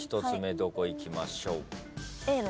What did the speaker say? １つ目どこいきましょう？